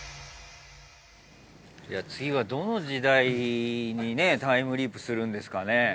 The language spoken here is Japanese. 次はどの時代にタイムリープするんですかね？